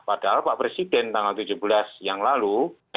padahal pak presiden tanggal tujuh belas yang lalu